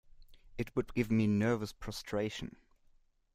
It would give me nervous prostration.